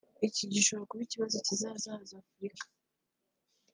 Iki gishobora kuba ikibazo kizazahaza Afurika